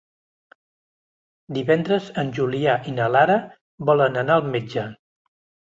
Divendres en Julià i na Lara volen anar al metge.